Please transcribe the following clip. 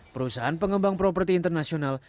perusahaan pengembang properti internasional